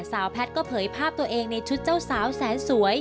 แพทย์ก็เผยภาพตัวเองในชุดเจ้าสาวแสนสวย